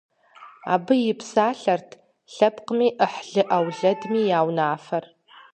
Абы и псалъэрт лъэпкъми, ӏыхьлы-ӏэулэдми я унафэр.